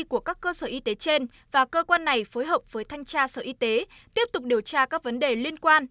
của các cơ sở y tế trên và cơ quan này phối hợp với thanh tra sở y tế tiếp tục điều tra các vấn đề liên quan